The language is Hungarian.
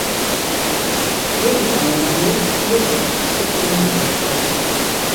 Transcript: Jogi tanulmányait a budapesti egyetemen végezte.